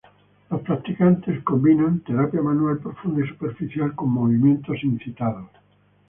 Los practicantes combinan terapia manual profunda y superficial con movimientos incitados.